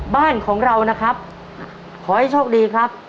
บ้านของเรานะครับขอให้โชคดีครับ